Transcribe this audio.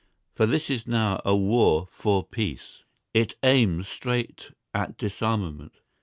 For this is now a war for peace. It aims straight at disarmament.